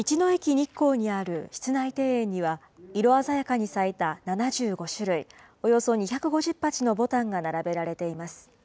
日光にある室内庭園には、色鮮やかに咲いた７５種類およそ２５０鉢のぼたんが並べられています。